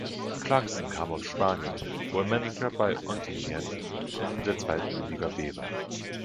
Clarkson kam aus Spanien, wo er Manager bei Ontinyent in der zweiten Liga B war.